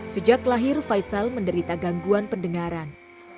sejak lahir faisal menderita gangguan pendengaran